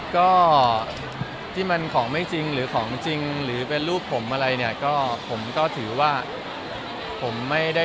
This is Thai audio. ก็ที่มันของไม่จริงหรือของจริงหรือเป็นรูปผมอะไร